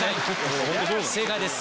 正解です。